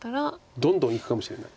どんどんいくかもしれない。